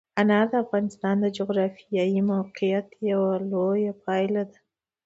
انار د افغانستان د جغرافیایي موقیعت یوه لویه پایله ده.